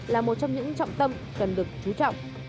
là một trong những trọng tâm cần được chú trọng